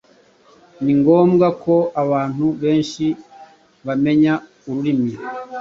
Ni ngombwa ko abantu benshi bamenya ururimi